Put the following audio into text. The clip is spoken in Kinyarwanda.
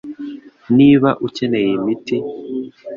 Niba ukeneye iyi miti